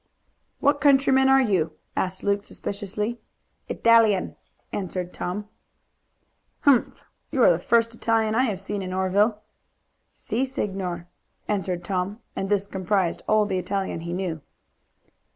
"What countryman are you?" asked Luke suspiciously. "Italian," answered Tom. "Humph! you are the first Italian I have seen in Oreville." "Si, signor," answered Tom, and this comprised all the Italian he knew.